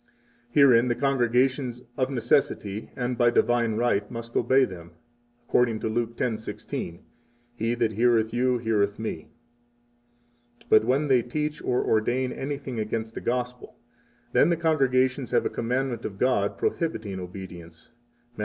Herein the congregations of necessity and by divine right must obey them, according to Luke 10:16: He that heareth you heareth Me. 23 But when they teach or ordain anything against the Gospel, then the congregations have a commandment of God prohibiting obedience, Matt.